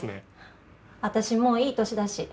私もういい年だし。